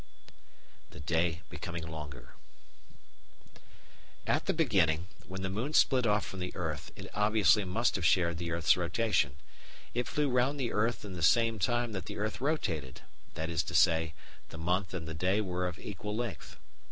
The Day Becoming Longer At the beginning, when the moon split off from the earth, it obviously must have shared the earth's rotation. It flew round the earth in the same time that the earth rotated, that is to say, the month and the day were of equal length.